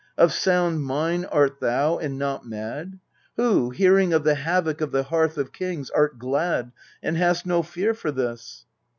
Of sound mind art thou, and not mad ? Who, hearing of the havoc of the hearth Of kings, art glad, and hast no fear for this